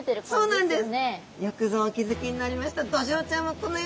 そうなんです。